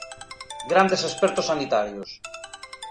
¡Grandes expertos sanitarios!